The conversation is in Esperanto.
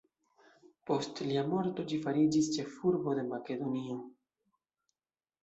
Post lia morto ĝi fariĝis ĉefurbo de Makedonio.